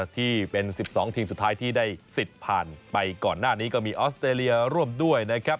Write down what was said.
ที่เป็น๑๒ทีมสุดท้ายที่ได้สิทธิ์ผ่านไปก่อนหน้านี้ก็มีออสเตรเลียร่วมด้วยนะครับ